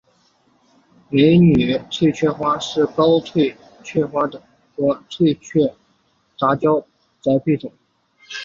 美女翠雀花是高翠雀花和翠雀的杂交栽培种。